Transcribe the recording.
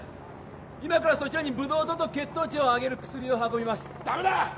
今からそちらにブドウ糖と血糖値を上げる薬を運びますダメだ！